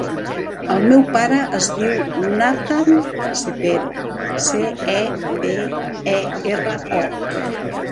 El meu pare es diu Nathan Cepero: ce, e, pe, e, erra, o.